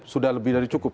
sudah lebih dari cukup